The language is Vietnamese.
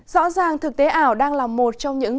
rõ ràng thực tế ảo đang là một trong những